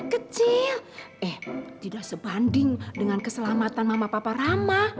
kecil eh tidak sebanding dengan keselamatan mama papa rama